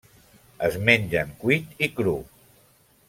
Es mengen cuit i cru.